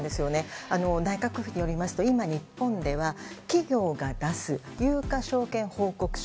内閣府によりますと今、日本では企業が出す有価証券報告書